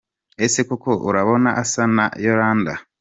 Ese koko urabona asa na Yolanda?.